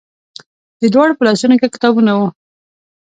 د دواړو په لاسونو کې کتابونه وو.